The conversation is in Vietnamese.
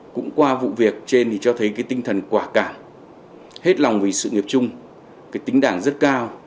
cũng qua vụ việc trên thì cho thấy cái tinh thần quả cảm hết lòng vì sự nghiệp chung cái tính đảng rất cao